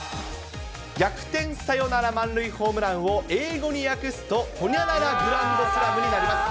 逆転サヨナラ満塁ホームランを英語に訳すと、ホニャララグランドスラムになります。